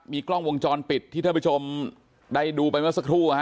กล้องวงจรปิดที่ท่านผู้ชมได้ดูไปเมื่อสักครู่